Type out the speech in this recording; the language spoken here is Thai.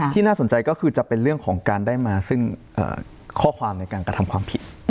น่าสนใจก็คือจะเป็นเรื่องของการได้มาซึ่งข้อความในการกระทำความผิด